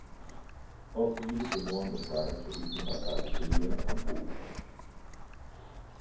Op tiisdeitemoarn besoargje se iten by partikulieren oan hûs.